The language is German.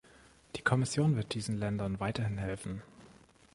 Die Kommission wird diesen Ländern weiterhin helfen.